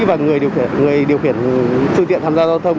và người điều khiển phương tiện tham gia giao thông